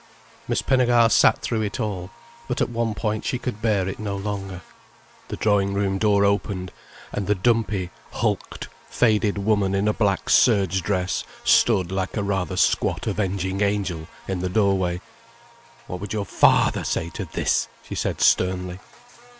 Miss Pinnegar sat through it all. But at one point she could bear it no longer. The drawing room door opened, and the dumpy, hulked, faded woman in a black serge dress stood like a rather squat avenging angel in the doorway. "What would your father say to this?" she said sternly.